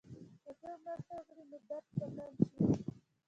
که څوک مرسته وکړي، نو درد به کم شي.